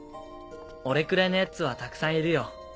俺くらいの奴はたくさんいるよ。